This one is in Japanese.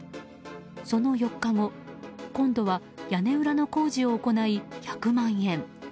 その４日後、今度は屋根裏の工事を行い１００万円。